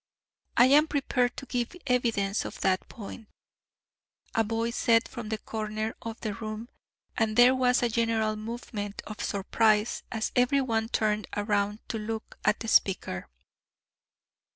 "I am prepared to give evidence on that point," a voice said from the corner of the room, and there was a general movement of surprise as every one turned round to look at the speaker.